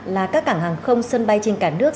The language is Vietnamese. là các cảng hàng không sân bay trên cả nước